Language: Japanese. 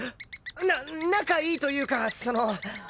な仲いいというかその。